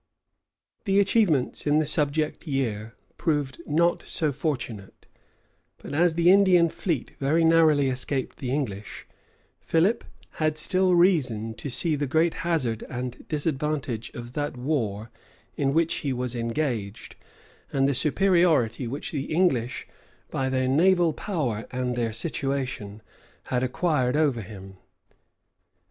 The achievements in the subsequent year proved not so fortunate; but as the Indian fleet very narrowly escaped the English, Philip had still reason to see the great hazard and disadvantage of that war in which he was engaged, and the superiority which the English, by their naval power and their situation, had acquired over him.